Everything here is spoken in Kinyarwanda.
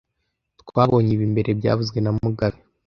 Twabonye ibi mbere byavuzwe na mugabe